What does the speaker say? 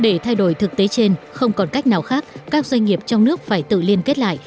để thay đổi thực tế trên không còn cách nào khác các doanh nghiệp trong nước phải tự liên kết lại